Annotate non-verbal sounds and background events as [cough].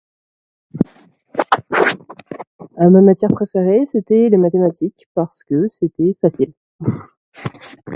[noise] Ma matière préférée c'étaient les mathématiques parce que c'était facile. [noise]